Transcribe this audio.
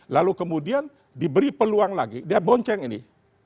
lalu kemudian diberi peluang lagi dia bonceng ini